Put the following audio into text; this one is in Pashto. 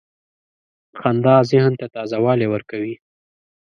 • خندا ذهن ته تازه والی ورکوي.